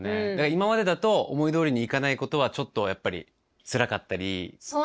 今までだと思いどおりにいかないことはちょっとやっぱりつらかったり怖かったり。